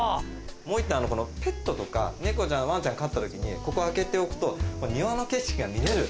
もう１点ペットとか猫ちゃんワンちゃん飼った時にここ開けておくと庭の景色が見れる。